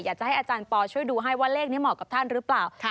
อยากจะให้อาจารย์ปอช่วยดูให้ว่าเลขนี้เหมาะกับท่านหรือเปล่า